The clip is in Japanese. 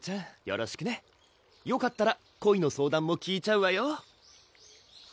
よろしくねよかったら恋の相談も聞いちゃうわよ